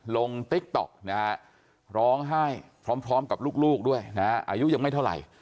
ติ๊กต๊อกนะฮะร้องไห้พร้อมกับลูกด้วยนะฮะอายุยังไม่เท่าไหร่